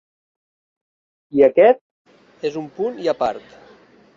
I aquest és un punt i a part.